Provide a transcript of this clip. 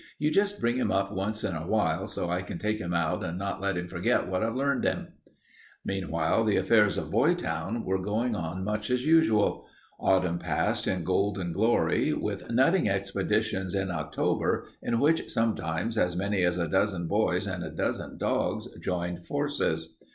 You just bring him up once in awhile so I can take him out and not let him forget what I've learned him." Meanwhile the affairs of Boytown were going on much as usual. Autumn passed in golden glory, with nutting expeditions in October in which sometimes as many as a dozen boys and a dozen dogs joined forces.